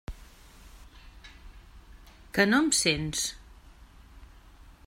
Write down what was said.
Que no em sents?